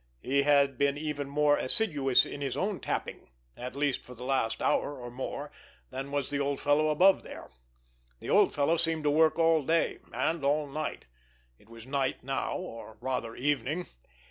He had been even more assiduous in his own tapping, at least for the last hour or more, than was the old fellow above there. The old fellow seemed to work all day—and all night. It was night now—or, rather, evening.